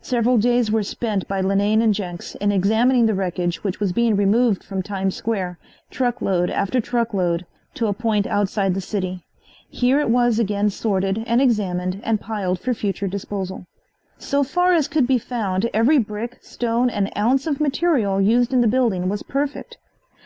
Several days were spent by Linane and Jenks in examining the wreckage which was being removed from Times Square, truckload after truckload, to a point outside the city. Here it was again sorted and examined and piled for future disposal. So far as could be found every brick, stone and ounce of material used in the building was perfect.